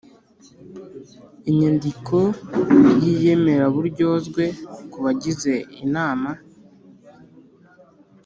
Inyandiko y iyemeraburyozwe ku bagize inama